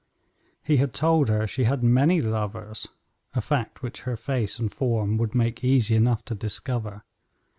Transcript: He had told her she had many lovers, a fact which her face and form would make easy enough to discover.